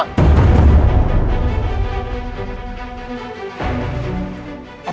jangan pernah lagi